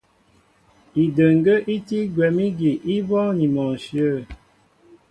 Idəŋgə́ í tí gwɛ̌m ígi í bɔ́ɔ́ŋ ni mɔ ǹshyə̂.